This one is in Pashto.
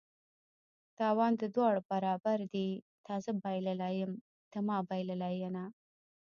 تاوان د دواړه برابر دي: تا زه بایللي یم ته ما بایلله ینه